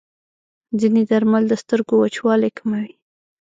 ځینې درمل د سترګو وچوالی کموي.